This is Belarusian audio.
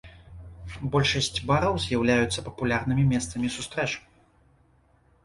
Большасць бараў з'яўляюцца папулярнымі месцамі сустрэч.